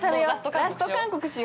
◆ラスト韓国しよ！